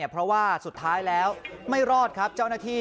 เพราะว่าสุดท้ายแล้วไม่รอดครับเจ้าหน้าที่